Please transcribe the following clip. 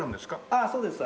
ああそうです。